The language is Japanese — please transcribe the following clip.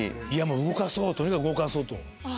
もう動かそうとにかく動かそうと。